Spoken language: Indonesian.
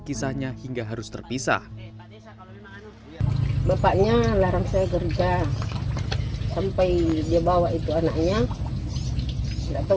kisahnya hingga harus terpisah bapaknya larang saya kerja sampai dia bawa itu anaknya atau